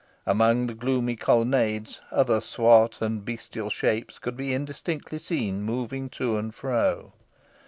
Among the gloomy colonnades other swart and bestial shapes could be indistinctly seen moving to and fro.